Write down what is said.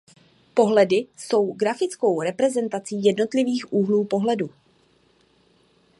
Pohledy jsou grafickou reprezentací jednotlivých úhlů pohledu.